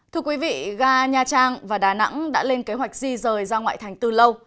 thưa quý vị ga nha trang và đà nẵng đã lên kế hoạch di rời ra ngoại thành từ lâu